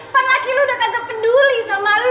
pan laki lo udah kagak peduli sama lo